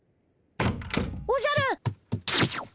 おじゃる！